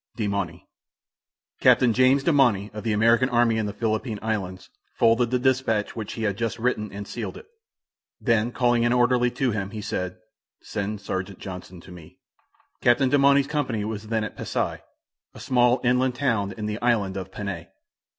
"Demauny." Captain James Demauny, of the American army in the Philippine Islands, folded the dispatch which he had just written, and sealed it. Then, calling an orderly to him he said, "Send Sergeant Johnson to me." Captain Demauny's company was then at Pasi, a small inland town in the island of Panay.